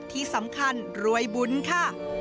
ที่สำคัญรวยบุญค่ะ